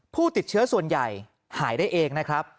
ผู้ติดเชื้อส่วนใหญ่หายได้เองนะครับ